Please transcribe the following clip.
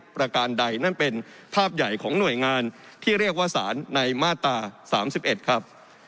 ประการใดนั่นเป็นภาพใหญ่ของหน่วยงานที่เรียกว่าสารในมาตรา๓๑ครับ